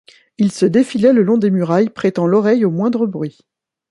Il se défilait le long des murailles, prêtant l’oreille au moindre bruit.